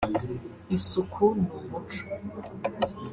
isuku ni umuco